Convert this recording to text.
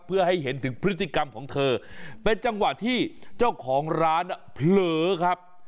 เพื่อให้เห็นถึงพฤติกรรมของเธอเป็นจังหวะที่เจ้าของร้านเผลอครับ